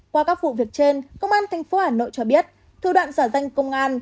qua các vụ việc trên công an tp hà nội cho biết thủ đoạn giả danh công an